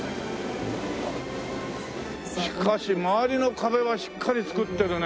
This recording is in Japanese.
しかし周りの壁はしっかり造ってるね